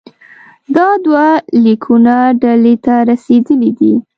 دا دوه لیکونه ډهلي ته رسېدلي دي.